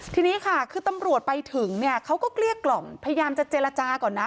ทีนี้ค่ะคือตำรวจไปถึงเนี่ยเขาก็เกลี้ยกล่อมพยายามจะเจรจาก่อนนะ